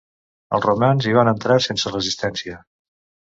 Els romans hi van entrar sense resistència.